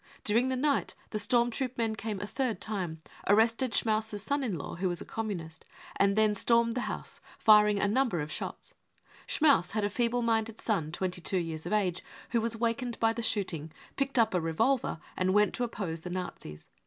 During the night the storm troop men cam§ a third time, arrested Schmaus's son in law, who was a Communist, and then stormed the house, firing a number of shots. Schmaus had a feeble minded son twenty two years of age who was wakened by the shooting, picked up a revolver and went to oppose the Nazis.